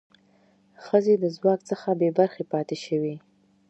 ښځې د ځواک څخه بې برخې پاتې شوې.